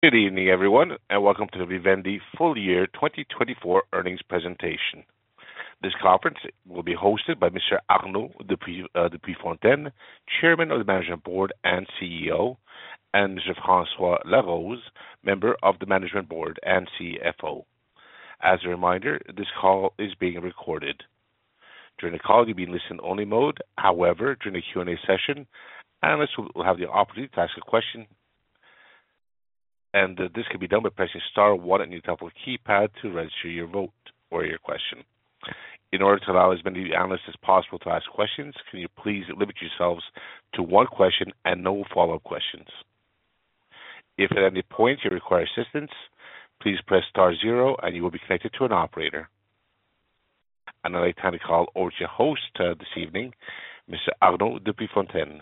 Good evening, everyone, and welcome to the Vivendi Full Year 2024 Earnings Presentation. This conference will be hosted by Mr. Arnaud de Puyfontaine, Chairman of the Management Board and CEO, and Mr. François Laroze, Member of the Management Board and CFO. As a reminder, this call is being recorded. During the call, you'll be in listen-only mode, however, during the Q&A session, analysts will have the opportunity to ask a question, and this can be done by pressing star one on your top of the keypad to register your vote or your question. In order to allow as many analysts as possible to ask questions, can you please limit yourselves to one question and no follow-up questions? If at any point you require assistance, please press star zero, and you will be connected to an operator. And I'd like to turn the call over to your host this evening, Mr. Arnaud de Puyfontaine.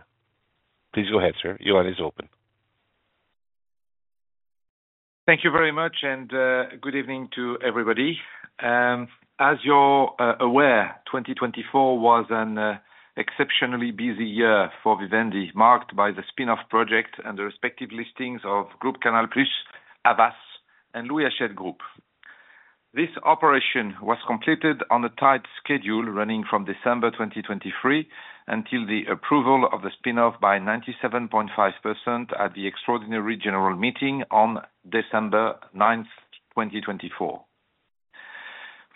Please go ahead, sir. Your line is open. Thank you very much, and good evening to everybody. As you're aware, 2024 was an exceptionally busy year for Vivendi, marked by the spin-off project and the respective listings of Canal+ Group, Havas, and Louis Hachette Group. This operation was completed on a tight schedule running from December 2023 until the approval of the spin-off by 97.5% at the extraordinary general meeting on December 9th, 2024.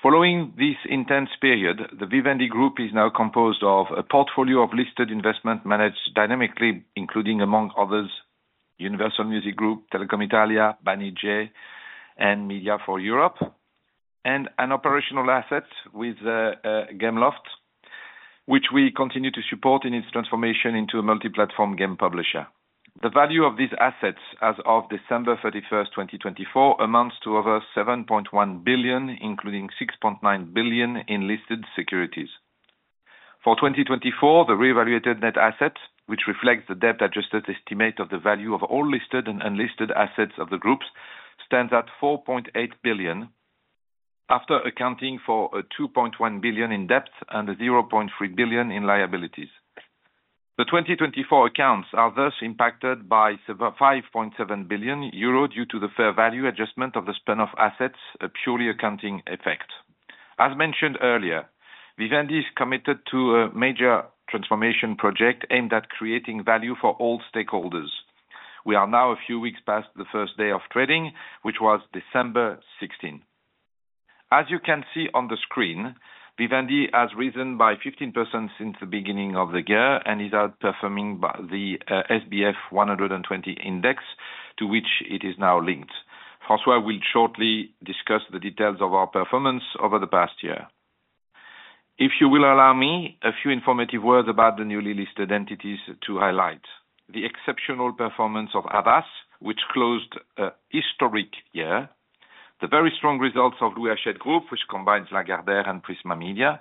Following this intense period, the Vivendi Group is now composed of a portfolio of listed investments managed dynamically, including, among others, Universal Music Group, Telecom Italia, Banijay, and MediaForEurope, and an operational asset with Gameloft, which we continue to support in its transformation into a multi-platform game publisher. The value of these assets as of December 31st, 2024, amounts to over 7.1 billion, including 6.9 billion in listed securities. For 2024, the re-evaluated net asset, which reflects the debt-adjusted estimate of the value of all listed and unlisted assets of the groups, stands at 4.8 billion, after accounting for 2.1 billion in debt and 0.3 billion in liabilities. The 2024 accounts are thus impacted by 5.7 billion euro due to the fair value adjustment of the spin-off assets, a purely accounting effect. As mentioned earlier, Vivendi is committed to a major transformation project aimed at creating value for all stakeholders. We are now a few weeks past the first day of trading, which was December 16. As you can see on the screen, Vivendi has risen by 15% since the beginning of the year and is outperforming the SBF 120 index to which it is now linked. François will shortly discuss the details of our performance over the past year. If you will allow me, a few informative words about the newly listed entities to highlight: the exceptional performance of Havas, which closed a historic year. The very strong results of Louis Hachette Group, which combines Lagardère and Prisma Media.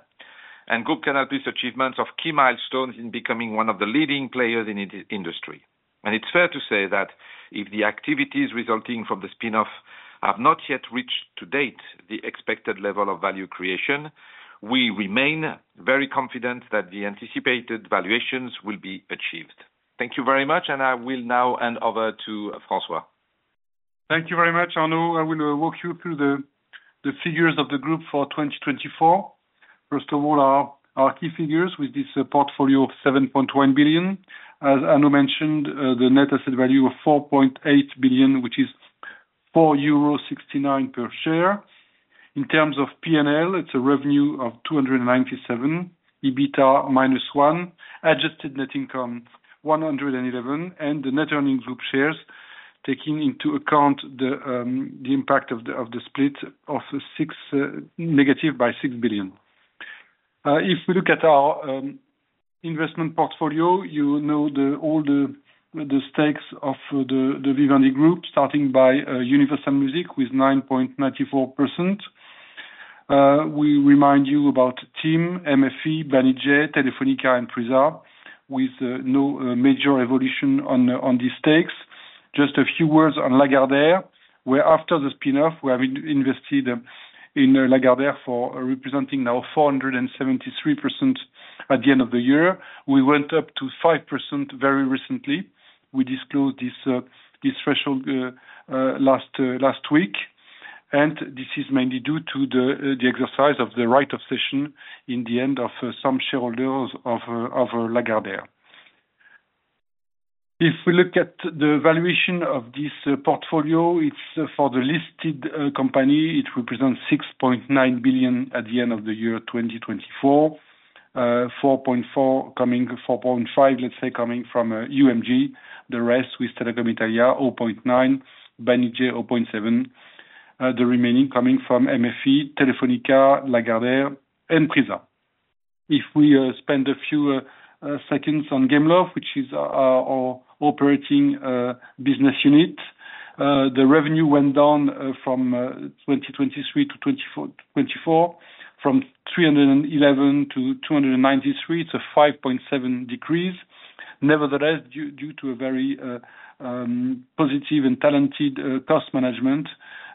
And Canal+ Group's achievements of key milestones in becoming one of the leading players in the industry. And it's fair to say that if the activities resulting from the spin-off have not yet reached to date the expected level of value creation, we remain very confident that the anticipated valuations will be achieved. Thank you very much, and I will now hand over to François. Thank you very much, Arnaud. I will walk you through the figures of the group for 2024. First of all, our key figures with this portfolio of 7.1 billion. As Arnaud mentioned, the net asset value of 4.8 billion, which is 4.69 euro per share. In terms of P&L, it's a revenue of 297, EBITDA minus 1, adjusted net income 111, and the net earnings group share, taking into account the impact of the spin-off negative by 6 billion. If we look at our investment portfolio, you know all the stakes of the Vivendi Group, starting by Universal Music with 9.94%. We remind you about TIM, MFE, Banijay, Telefónica, and Prisa, with no major evolution on these stakes. Just a few words on Lagardère, where after the spin-off, we have invested in Lagardère for representing now 47.3% at the end of the year. We went up to 5% very recently. We disclosed this threshold last week, and this is mainly due to the exercise of the write-off session in the end of some shareholders of Lagardère. If we look at the valuation of this portfolio, it's for the listed company. It represents 6.9 billion at the end of the year 2024, 4.4 coming 4.5, let's say, coming from UMG. The rest with Telecom Italia, 0.9, Banijay, 0.7. The remaining coming from MFE, Telefónica, Lagardère, and Prisa. If we spend a few seconds on Gameloft, which is our operating business unit, the revenue went down from 2023-2024 from 311-293. It's a 5.7% decrease. Nevertheless, due to a very positive and talented cost management,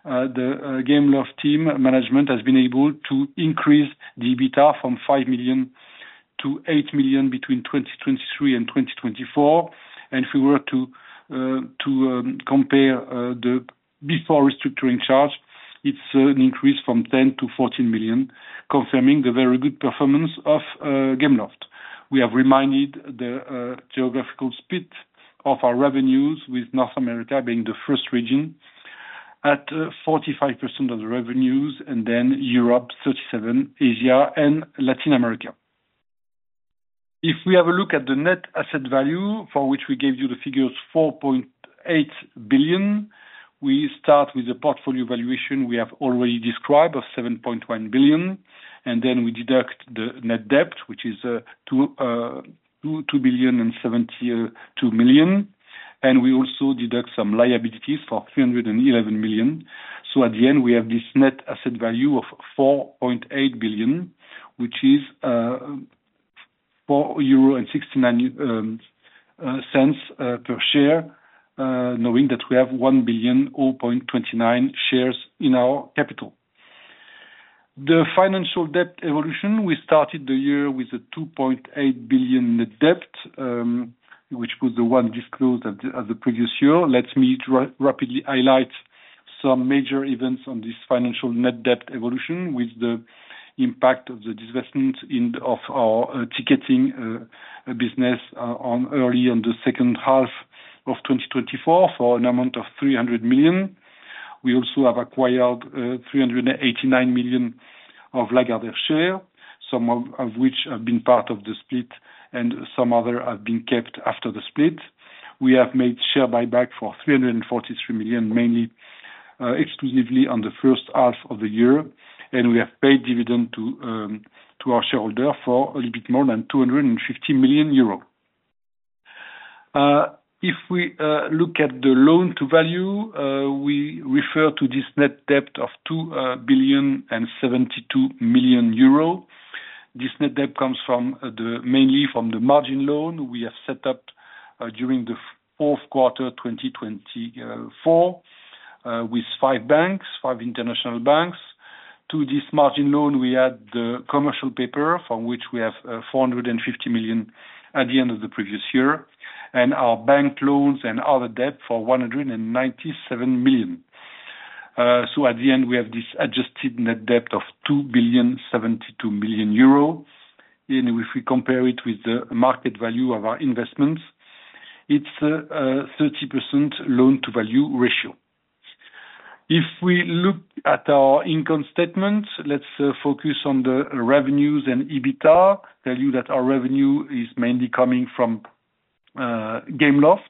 the Gameloft team management has been able to increase the EBITDA from 5 million-8 million between 2023 and 2024. And if we were to compare the before restructuring charge, it's an increase from 10-14 million, confirming the very good performance of Gameloft. We have reminded the geographical split of our revenues, with North America being the first region, at 45% of the revenues, and then Europe, 37%, Asia, and Latin America. If we have a look at the net asset value, for which we gave you the figures, 4.8 billion, we start with the portfolio valuation we have already described of 7.1 billion, and then we deduct the net debt, which is 2.072 billion, and we also deduct some liabilities for 311 million. So at the end, we have this net asset value of 4.8 billion, which is 4.69 euro per share, knowing that we have 1.029 billion shares in our capital. The financial debt evolution, we started the year with a 2.8 billion net debt, which was the one disclosed as the previous year. Let me rapidly highlight some major events on this financial net debt evolution with the impact of the divestment of our ticketing business early in the second half of 2024 for an amount of 300 million. We also have acquired 389 million of Lagardère shares, some of which have been part of the split and some other have been kept after the split. We have made share buyback for 343 million, mainly exclusively on the first half of the year, and we have paid dividend to our shareholders for a little bit more than 250 million euros. If we look at the loan to value, we refer to this net debt of 2 billion and 72 million euro. This net debt comes mainly from the margin loan we have set up during the fourth quarter 2024 with five banks, five international banks. To this margin loan, we had the commercial paper from which we have 450 million at the end of the previous year, and our bank loans and other debt for 197 million. So at the end, we have this adjusted net debt of 2 billion, 72 million. And if we compare it with the market value of our investments, it's a 30% loan to value ratio. If we look at our income statement, let's focus on the revenues and EBITDA. Tell you that our revenue is mainly coming from Gameloft,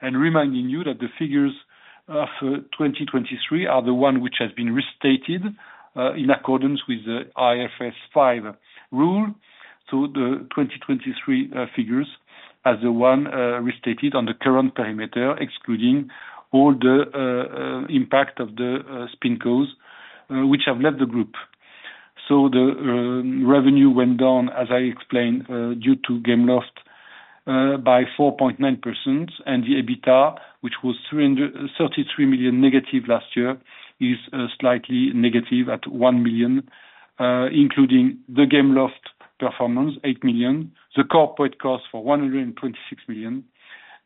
and reminding you that the figures of 2023 are the one which has been restated in accordance with the IFRS 5 rule. So the 2023 figures are the ones restated on the current perimeter, excluding all the impact of the spin-offs which have left the group. The revenue went down, as I explained, due to Gameloft by 4.9%, and the EBITDA, which was 333 million negative last year, is slightly negative at 1 million, including the Gameloft performance, 8 million, the corporate cost for 126 million,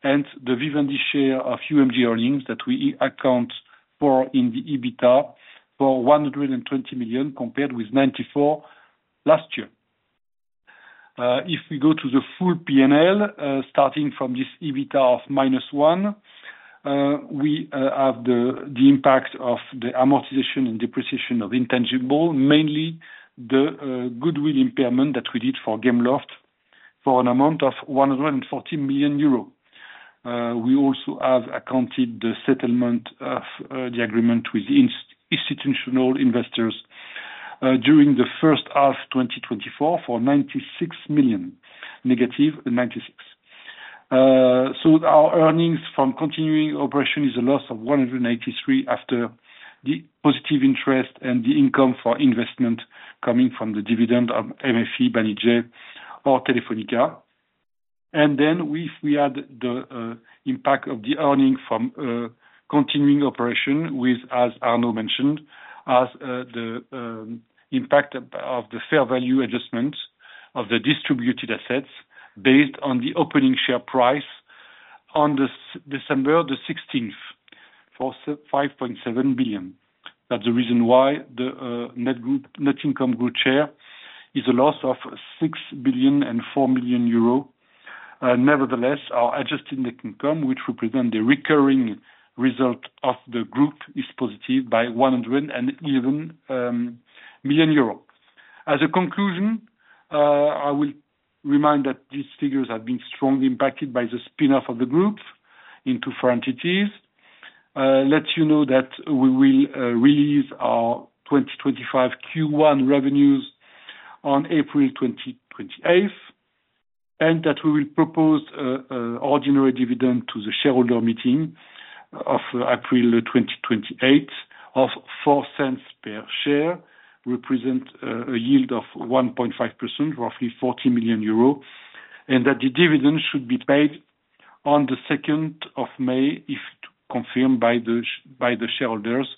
and the Vivendi share of UMG earnings that we account for in the EBITDA for 120 million compared with 94 last year. If we go to the full P&L, starting from this EBITDA of minus one, we have the impact of the amortization and depreciation of intangible, mainly the goodwill impairment that we did for Gameloft for an amount of 140 million euros. We also have accounted the settlement of the agreement with institutional investors during the first half 2024 for 96 million, negative 96. So our earnings from continuing operation is a loss of 183 million after the positive interest and the income for investment coming from the dividend of MFE, Banijay, or Telefónica, and then if we add the impact of the earnings from continuing operation, as Arnaud mentioned, as the impact of the fair value adjustment of the distributed assets based on the opening share price on December the 16th for 5.7 billion. That's the reason why the net income group share is a loss of 6 billion and 4 million euro. Nevertheless, our adjusted net income, which represents the recurring result of the group, is positive by 111 million euros. As a conclusion, I will remind that these figures have been strongly impacted by the spin-off of the group into four entities. Let you know that we will release our 2025 Q1 revenues on April 28th, and that we will propose an ordinary dividend to the shareholder meeting of April 2028 of 0.04 per share, represent a yield of 1.5%, roughly 40 million euro, and that the dividend should be paid on the 2nd of May if confirmed by the shareholders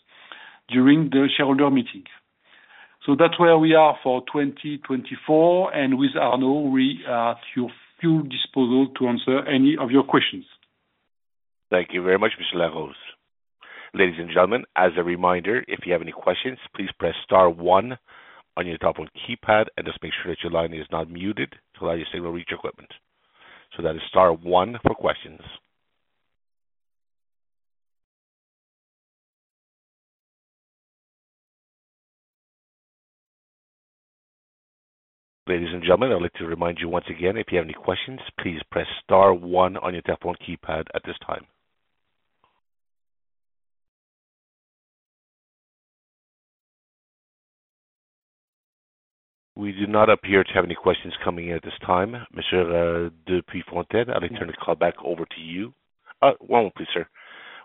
during the shareholder meeting. So that's where we are for 2024, and with Arnaud, we are at your full disposal to answer any of your questions. Thank you very much, Mr. Laroze. Ladies and gentlemen, as a reminder, if you have any questions, please press star one on your touch-tone keypad and just make sure that your line is not muted to allow your signal to reach our equipment. So that is star one for questions. Ladies and gentlemen, I'd like to remind you once again, if you have any questions, please press star one on your touch-tone keypad at this time. We do not appear to have any questions coming in at this time. Mr. de Puyfontaine, I'll return the call back over to you. Oh, one moment, please, sir.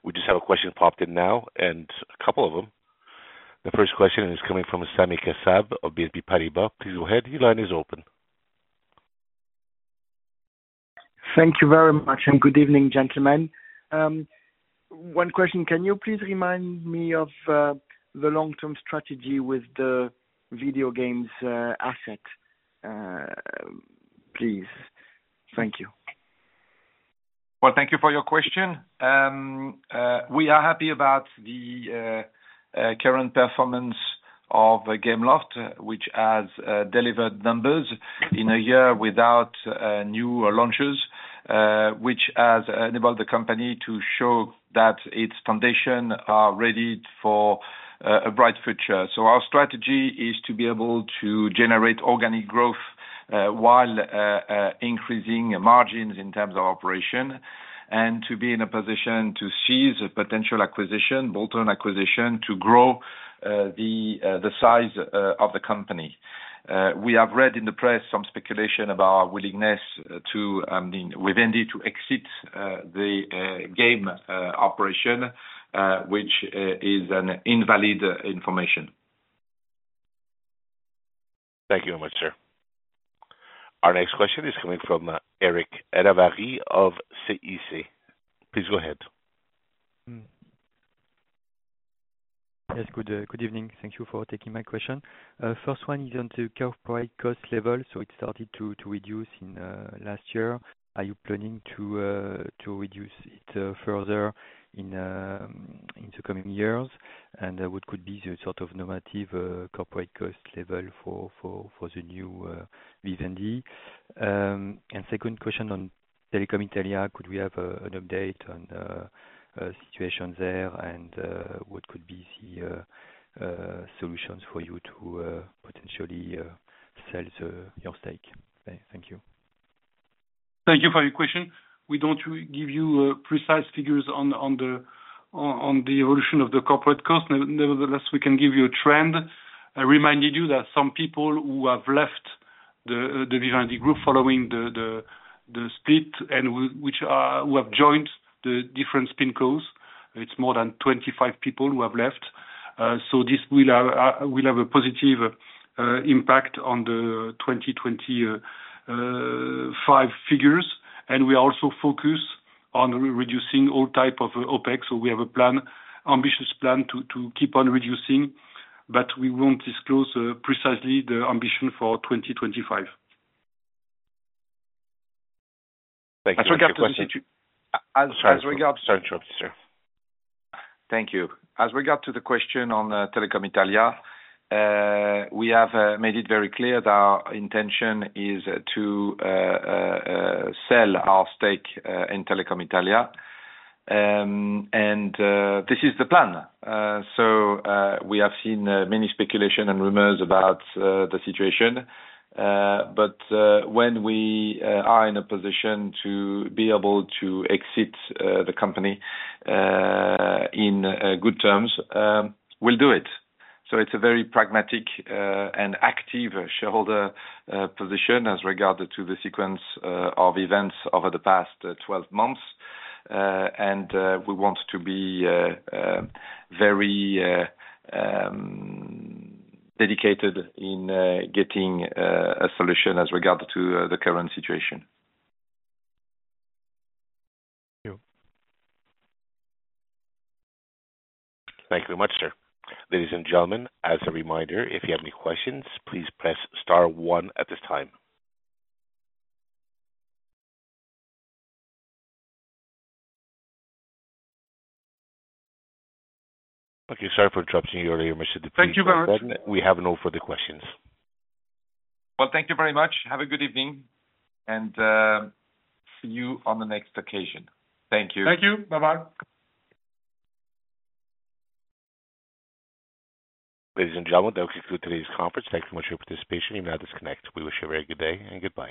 We just have a question popped in now, and a couple of them. The first question is coming from Sami Kassab of BNP Paribas. Please go ahead. Your line is open. Thank you very much and good evening, gentlemen. One question, can you please remind me of the long-term strategy with the video games asset, please? Thank you. Thank you for your question. We are happy about the current performance of Gameloft, which has delivered numbers in a year without new launches, which has enabled the company to show that its foundations are ready for a bright future. Our strategy is to be able to generate organic growth while increasing margins in terms of operation and to be in a position to seize potential acquisition, bolt-on acquisition, to grow the size of the company. We have read in the press some speculation about our willingness to exit the game operation, which is invalid information. Thank you very much, sir. Our next question is coming from Eric Ravary of CIC. Please go ahead. Yes, good evening. Thank you for taking my question. First one is on the corporate cost level. So it started to reduce in last year. Are you planning to reduce it further in the coming years? And what could be the sort of normative corporate cost level for the new Vivendi? And second question on Telecom Italia, could we have an update on the situation there and what could be the solutions for you to potentially sell your stake? Thank you. Thank you for your question. We don't give you precise figures on the evolution of the corporate cost. Nevertheless, we can give you a trend. I reminded you that some people who have left the Vivendi group following the split and who have joined the different spin-offs, it's more than 25 people who have left. So this will have a positive impact on the 2025 figures. And we also focus on reducing all type of OpEx. So we have a plan, ambitious plan to keep on reducing, but we won't disclose precisely the ambition for 2025. Thank you. As regards to. Sorry, sir. Thank you. As regards to the question on Telecom Italia, we have made it very clear that our intention is to sell our stake in Telecom Italia. And this is the plan. So we have seen many speculations and rumors about the situation. But when we are in a position to be able to exit the company in good terms, we'll do it. So it's a very pragmatic and active shareholder position as regards to the sequence of events over the past 12 months. And we want to be very dedicated in getting a solution as regards to the current situation. Thank you. Thank you very much, sir. Ladies and gentlemen, as a reminder, if you have any questions, please press star one at this time. Okay, sorry for interrupting you earlier, Mr. de Puyfontaine. Thank you very much. We have no further questions. Well, thank you very much. Have a good evening and see you on the next occasion. Thank you. Thank you. Bye-bye. Ladies and gentlemen, that concludes today's conference. Thank you very much for your participation. You may now disconnect. We wish you a very good day and goodbye.